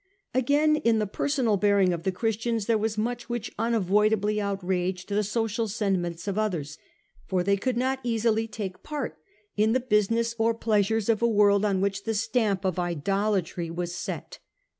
Again, in the personal bearing of the Christians there was much which unavoidably outraged the social senti ments of others, for they could not easily take part in the business or pleasures of a world on sodat and which the Stamp of idolatry was set.